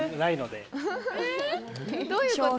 どういうこと？